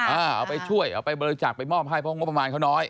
เอาไปช่วยเอาไปบริจาคไปมอบให้เพราะงบประมาณเขาน้อย